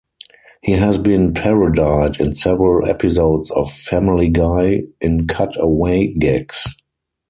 He has been parodied in several episodes of "Family Guy" in cutaway gags.